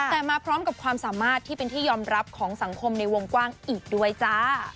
แต่มาพร้อมกับความสามารถที่เป็นที่ยอมรับของสังคมในวงกว้างอีกด้วยจ้า